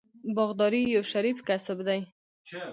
باغداري یو شریف کسب دی.